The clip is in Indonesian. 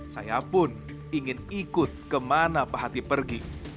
saya pun ingin ikut kemana pak hati pergi